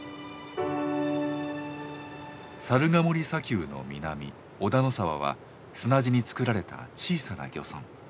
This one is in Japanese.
猿ヶ森砂丘の南小田野沢は砂地につくられた小さな漁村。